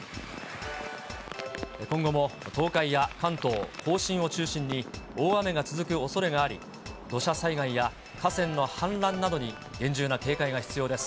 今後も東海や関東甲信を中心に、大雨が続くおそれがあり、土砂災害や河川の氾濫などに厳重な警戒が必要です。